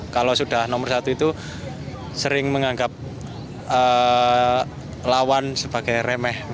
kalau sudah nomor satu itu sering menganggap lawan sebagai remeh